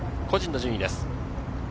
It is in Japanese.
個人の順位です。